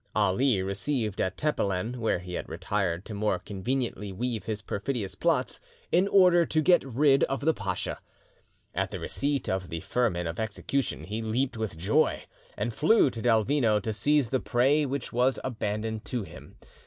Ali received at Tepelen, where he had retired to more conveniently weave his perfidious plots, an order to get rid of the pacha. At the receipt of the firman of execution he leaped with joy, and flew to Delvino to seize the prey which was abandoned to him.